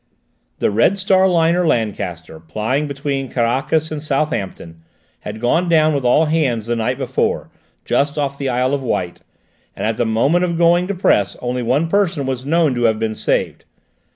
The Red Star liner Lancaster, plying between Caracas and Southampton, had gone down with all hands the night before, just off the Isle of Wight, and at the moment of going to press only one person was known to have been saved.